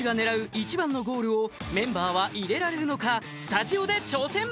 １番のゴールをメンバーは入れられるのかスタジオで挑戦！